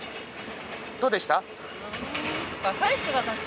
どうでした？